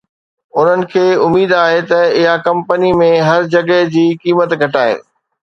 انهن کي اميد آهي ته اها ڪمپني ۾ هر جڳهه جي قيمت گھٽائي